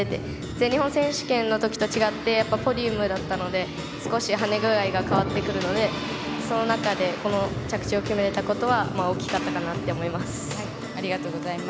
全日本選手権の時と違ってポディウムだったので少し跳ね具合が変わってくるのでその中で着地を決められたことは大きかったかなと思います。